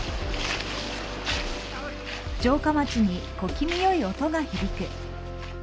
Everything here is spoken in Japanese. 城下町に小気味良い音が響く。